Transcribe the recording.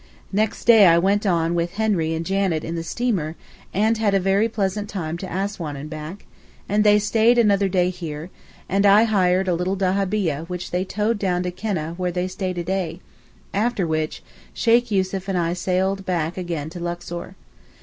Next day I went on with Henry and Janet in the steamer, and had a very pleasant time to Assouan and back, and they stayed another day here, and I hired a little dahabieh which they towed down to Keneh where they stayed a day; after which Sheykh Yussuf and I sailed back again to Luxor.